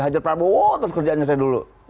hajar prabowo terus kerjaannya saya dulu